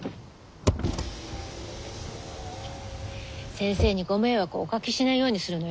先生にご迷惑をおかけしないようにするのよ。